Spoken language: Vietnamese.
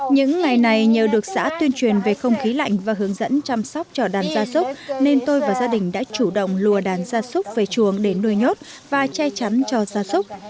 những ngày này nhờ được xã tuyên truyền về không khí lạnh và hướng dẫn chăm sóc cho đàn gia súc nên tôi và gia đình đã chủ động lùa đàn gia súc về chuồng để nuôi nhốt và che chắn cho gia súc